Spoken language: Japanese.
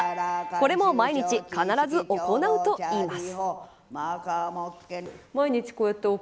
これも毎日必ず行うといいます。